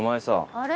あれ？